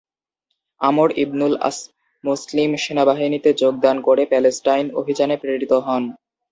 আমর ইবনুল আস মুসলিম সেনাবাহিনীতে যোগদান করে প্যালেস্টাইন অভিযানে প্রেরিত হন।